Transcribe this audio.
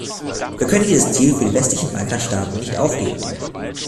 Wir können dieses Ziel für die westlichen Balkanstaaten nicht aufgeben.